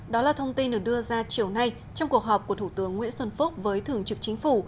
đó là thông tin được đưa ra chiều nay trong cuộc họp của thủ tướng nguyễn xuân phúc với thường trực chính phủ